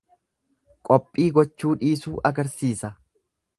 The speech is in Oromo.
Qophii gochuu dhiisuu agarsiisa.